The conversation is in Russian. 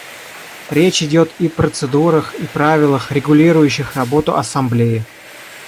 Речь идет и процедурах и правилах, регулирующих работу Ассамблеи.